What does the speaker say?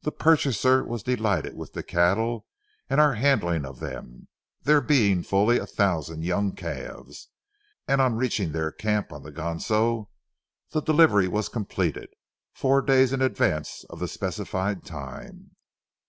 The purchaser was delighted with the cattle and our handling of them, there being fully a thousand young calves, and on reaching their camp on the Ganso, the delivery was completed—four days in advance of the specified time.